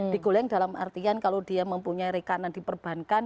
digoreng dalam artian kalau dia mempunyai rekanan diperbankan